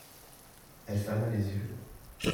Elle ferma les yeux.